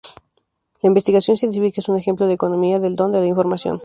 La investigación científica es un ejemplo de economía del don de la información.